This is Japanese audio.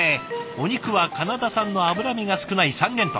お肉はカナダ産の脂身が少ない三元豚。